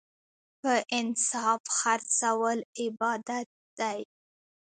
په انصاف خرڅول عبادت دی.